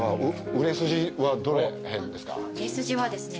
売れ筋はですね